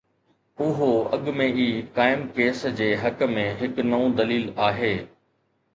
اهو اڳ ۾ ئي قائم ڪيس جي حق ۾ هڪ نئون دليل آهي.